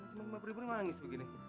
kenapa lima puluh ribu nangis begini